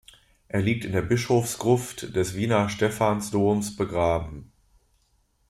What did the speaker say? Er liegt in der Bischofsgruft des Wiener Stephansdoms begraben.